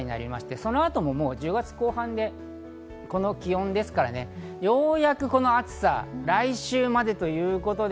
そのあとも１０月後半でこの気温ですから、ようやくこの暑さ、来週までということに。